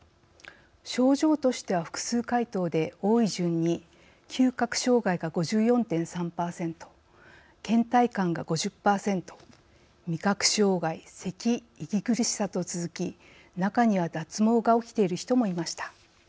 症状としては複数回答で多い順に嗅覚障害が５９．４パーセントけん怠感が５０パーセント味覚障害、せき、息苦しさと続き中には脱毛が起きている人もいました。